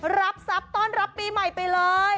รับทราบตอนรับปีใหม่ไปเลย